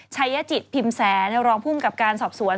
ชัยจิตพิมพ์แสนรองภูมิกับการสอบสวน